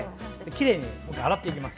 きれいに洗っていきます。